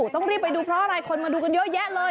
ต้องรีบไปดูเพราะอะไรคนมาดูกันเยอะแยะเลย